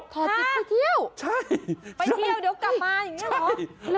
ทอดจิตไปเที่ยวใช่ไปเที่ยวเดี๋ยวกลับมาอย่างเงี้ยเหรอใช่